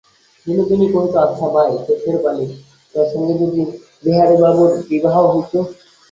বিনোদিনী কহিত, আচ্ছা ভাই চোখের বালি, তোর সঙ্গে যদি বিহারীবাবুর বিবাহ হইত।